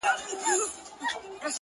زموږ پر زخمونو یې همېش زهرپاشي کړې ده